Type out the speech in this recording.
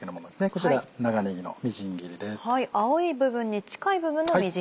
こちら長ねぎのみじん切りです。